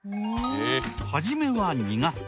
初めは苦手。